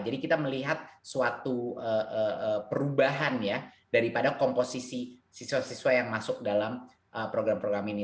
kita melihat suatu perubahan ya daripada komposisi siswa siswa yang masuk dalam program program ini